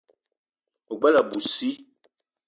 O gbele abui sii.